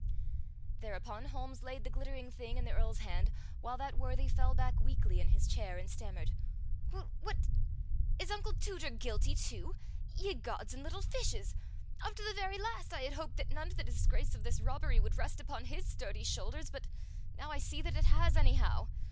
Thereupon Holmes laid the glittering thing in the Earl's hand, while that worthy fell back weakly in his chair and stammered: "What? Is Uncle Tooter guilty too? Ye gods and little fishes! Up to the very last I had hoped that none of the disgrace of this robbery would rest upon his sturdy shoulders, but now I see that it has, anyhow.